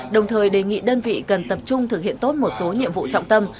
đồng thời đề nghị đơn vị cần tập trung thực hiện tốt một số nhiệm vụ trọng tâm